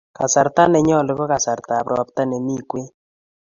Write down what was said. Kasarta nenyolu ko kasartab ropta nemi kwen